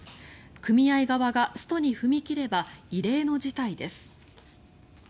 組合側がストに踏み切れば異例の事態です。